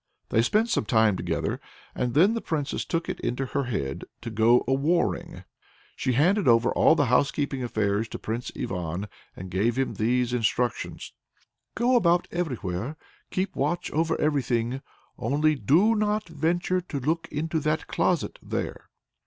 They spent some time together, and then the Princess took it into her head to go a warring. So she handed over all the housekeeping affairs to Prince Ivan, and gave him these instructions: "Go about everywhere, keep watch over everything, only do not venture to look into that closet there."